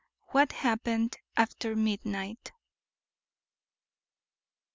WHAT HAPPENED AFTER MIDNIGHT.